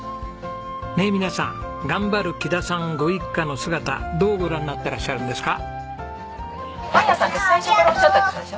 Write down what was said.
ねえ皆さん頑張る木田さんご一家の姿どうご覧になっていらっしゃるんですか？